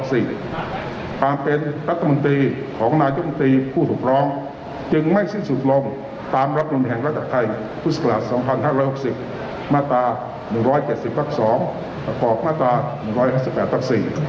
ความเป็นรัฐมนตรีของนายกรมนตรีผู้ถูกร้องจึงไม่สิ้นสุดลงตามรับหนุนแห่งราชกรรมไทยพศ๒๕๖๐มาตรา๑๗๐ตัก๒หากออกมาตรา๑๕๘ตัก๔